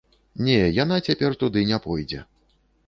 Не, яна цяпер туды не пойдзе!